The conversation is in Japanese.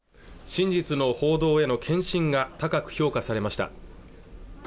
真実の報道への献身が高く評価されました